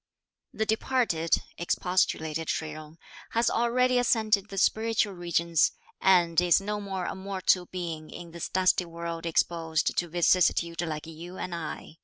"The departed," expostulated Shih Jung, "has already ascended the spiritual regions, and is no more a mortal being in this dusty world exposed to vicissitude like you and I.